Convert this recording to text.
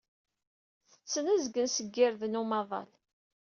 Tetten azgen seg irden umaḍal.